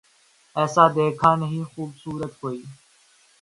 ایسا دیکھا نہیں خوبصورت کوئی